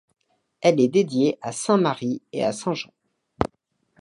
Elle est dédiée à sainte Marie et à saint Jean.